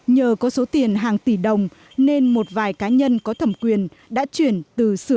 nhờ có số tiền hàng tỷ đồng nên một vài cá nhân có thẩm quyền đã chuyển từ sửa